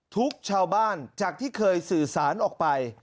ทุกชาวบ้านจากที่เคยสื่อสารออกไป